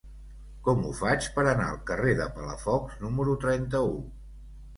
Com ho faig per anar al carrer de Palafox número trenta-u?